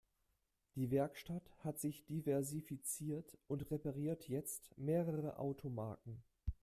Die Werkstatt hat sich diversifiziert und repariert jetzt mehrere Automarken.